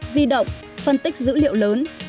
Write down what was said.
di động phân tích dữ liệu lớn